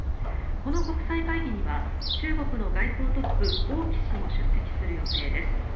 この国際会議には中国の外交トップ、王毅氏も出席する予定です。